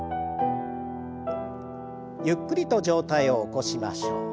ゆっくりと上体を起こしましょう。